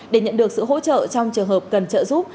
để nhận được sự hỗ trợ trong trường hợp cần trợ giúp